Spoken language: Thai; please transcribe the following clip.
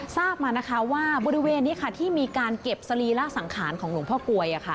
ทราบมานะคะว่าบริเวณนี้ค่ะที่มีการเก็บสรีระสังขารของหลวงพ่อกลวย